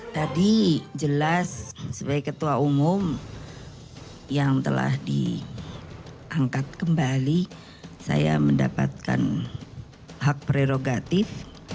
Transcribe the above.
tadi jelas sebagai ketua umum yang telah diangkat kembali saya mendapatkan hak prerogatif